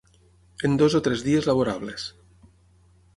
En dos o tres dies laborables.